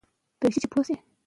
کار مهارتونه پیاوړي کوي.